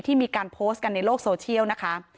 มีการโพสต์กันในโลกโซเชียลนะคะ